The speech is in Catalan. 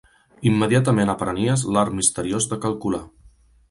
Immediatament aprenies l'art misteriós de calcular